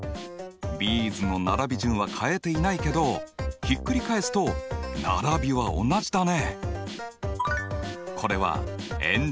ビーズの並び順は変えていないけどひっくり返すと並びは同じだね。